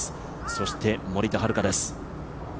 そして森田遥です。